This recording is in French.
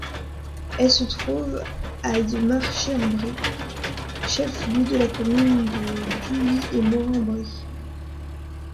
Elle se trouve à de Marchais-en-Brie, chef-lieu de la commune de Dhuys et Morin-en-Brie.